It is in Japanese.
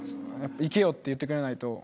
いけよって言ってくれないと。